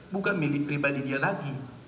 bukan milik pribadi dia lagi